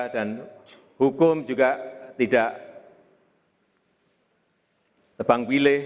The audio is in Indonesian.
dan hukum juga tidak tebang wileh